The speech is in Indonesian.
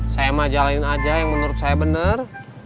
saya majalin aja yang menurut saya bener